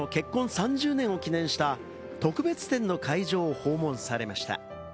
３０年を記念した特別展の会場を訪問されました。